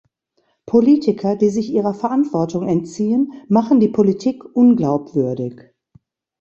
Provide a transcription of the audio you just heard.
Politiker, die sich ihrer Verantwortung entziehen, machen die Politik unglaubwürdig.